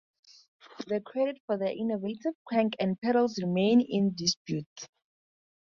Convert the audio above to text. The credit for their innovative crank and pedals remains in dispute.